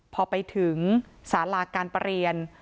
พอไปถึงสาราการประเรียน